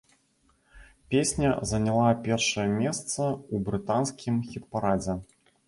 Песня заняла першае месца ў брытанскім хіт-парадзе.